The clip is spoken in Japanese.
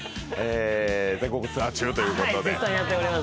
全国ツアー中ということで。